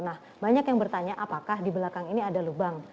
nah banyak yang bertanya apakah di belakang ini ada lubang